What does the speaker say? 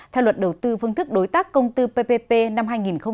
theo luật đầu tư phương thức đối tác công tư ppp năm hai nghìn hai mươi